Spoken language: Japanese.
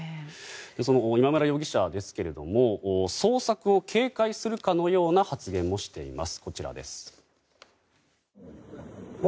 今村容疑者ですが捜索を警戒するかのような発言もしています。